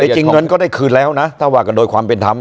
จริงเงินก็ได้คืนแล้วนะถ้าว่ากันโดยความเป็นธรรม